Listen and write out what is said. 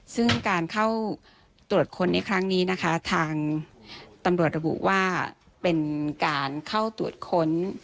ซึ่งการเข้าตรวจค้นในครั้งนี้นะคะทางตำรวจระบุว่าเป็นการเข้าตรวจค้น